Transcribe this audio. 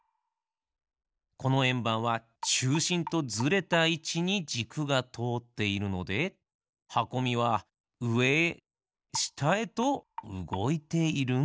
このえんばんはちゅうしんとずれたいちにじくがとおっているのではこみはうえへしたへとうごいているんですね。